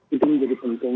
itu menjadi penting